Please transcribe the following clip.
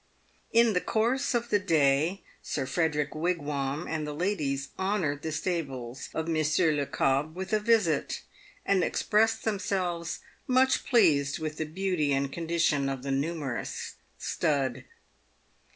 In the course of the day, Sir Frederick "Wigwam and the ladies honoured the stables of Monsieur Le Cobbe with a visit, and expressed themselves much pleased with the beauty and condi tion of the numerous stud.